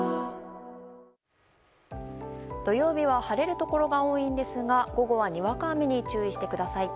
土曜日は晴れるところが多いんですが午後は、にわか雨に注意してください。